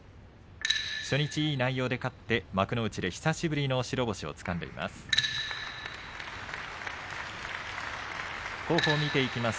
初日いい内容で勝って幕内で久しぶりの白星をつかんでいます。